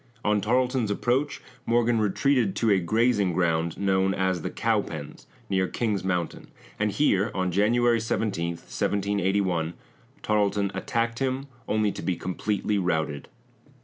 On Tarleton's approach, Morgan retreated to a grazing ground known as the Cowpens near King's Mountain, and here, on January 17, 1781, Tarleton attacked him, only to be completely routed.